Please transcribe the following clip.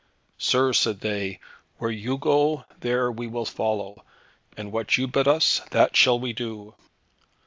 "Sir," said they, "where you go, there we will follow, and what you bid us, that shall we do."